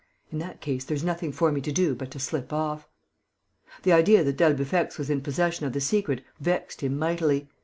In that case, there's nothing for me to do but to slip off...." The idea that d'Albufex was in possession of the secret vexed him mightily.